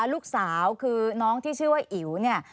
ลูกสาวคือน้องที่ชื่อว่าอิ๋วเนี่ย